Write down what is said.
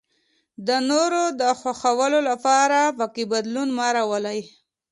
د نورو د خوښولو لپاره پکې بدلون مه راولئ.